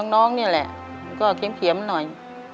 น้องนี่แหละก็เขียมหน่อย